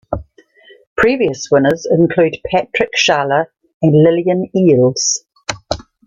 Previous winners include Patrick Schaller and Lillian Eells.